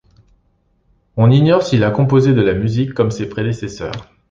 On ignore s'il a composé de la musique comme ses prédécesseurs.